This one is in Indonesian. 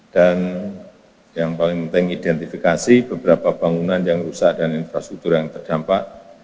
dan yang paling penting identifikasi beberapa bangunan yang rusak dan infrastruktur yang terdampak